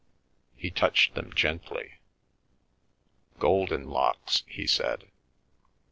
He touched them gently. Golden locks 1 " he said.